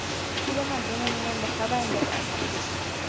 Chile mantienen una embajada en Jakarta.